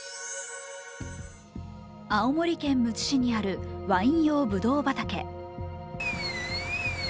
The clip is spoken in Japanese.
青森県むつ市にあるワイン用ぶどう畑。